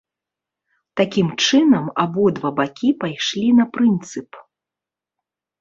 Такім чынам, абодва бакі пайшлі на прынцып.